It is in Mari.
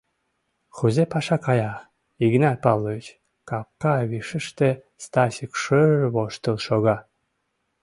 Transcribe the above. Кузе паша кая, Игнат Павлович? — капка вишыште Стасик шыр-р воштыл шога.